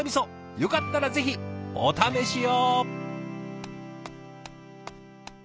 よかったらぜひお試しを。